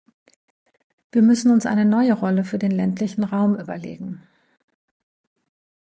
Wir müssen uns eine neue Rolle für den ländlichen Raum überlegen.